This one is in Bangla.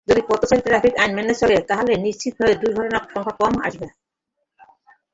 যদি পথচারীরা ট্রাফিক আইন মেনে চলে, তাহলে নিশ্চিতভাবে দুর্ঘটনার সংখ্যা কমে আসবে।